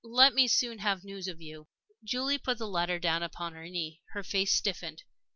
Let me soon have news of you." Julie put the letter down upon her knee. Her face stiffened.